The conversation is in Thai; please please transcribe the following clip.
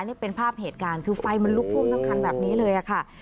นี่เป็นภาพเหตุการณ์คือไฟมันลุกท่วมทั้งคันแบบนี้เลยค่ะ